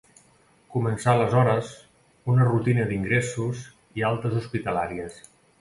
Començà aleshores, una rutina d'ingressos i altes hospitalàries.